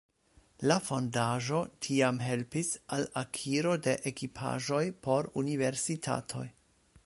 La fondaĵo tiam helpis al akiro de ekipaĵoj por universitatoj.